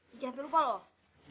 jangan sampai lupa loh